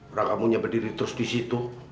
udah kamu nyabadi terus di situ